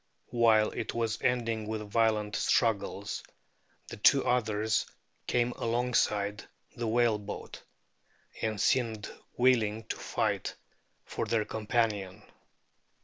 While it was ending with violent struggles the two others came alongside the whale boat, and seemed willing to fight for their companion.